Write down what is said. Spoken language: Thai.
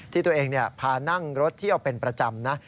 ที่ตัวเองเนี่ยพานั่งรถที่เอาเป็นประจำนะ